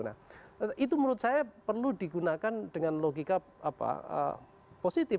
nah itu menurut saya perlu digunakan dengan logika positif